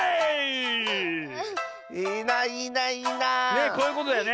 ねえこういうことだよね。